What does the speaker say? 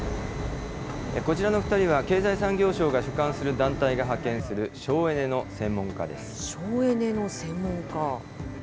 こちらの２人は経済産業省が所管する団体が派遣する省エネの専門省エネの専門家？